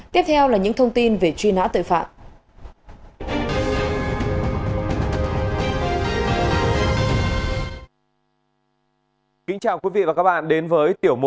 tiếp theo là những thông tin về truy nã tội phạm